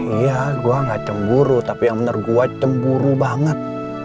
iya gue gak cemburu tapi yang benar gue cemburu banget